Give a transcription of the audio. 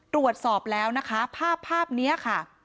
ตรวจสอบแล้วนะคะภาพนี้ค่ะ